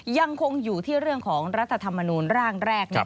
ยังคงอยู่ที่เรื่องของรัฐธรรมนูลร่างแรก